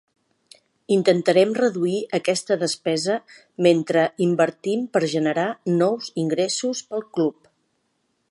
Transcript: “Intentarem reduir aquesta despesa mentre invertim per generar nous ingressos pel club”.